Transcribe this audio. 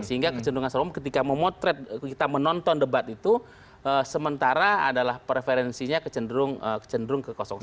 sehingga kecenderungan secara umum ketika memotret kita menonton debat itu sementara adalah preferensinya cenderung ke satu